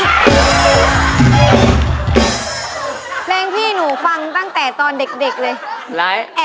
แรงพี่หนูฟังตั้งแต่ตอนเด็กเลยอะไร